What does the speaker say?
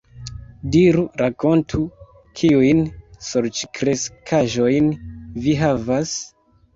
Diru, rakontu, kiujn sorĉkreskaĵojn vi havas?